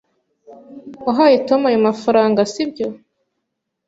Wahaye Tom ayo mafaranga, sibyo?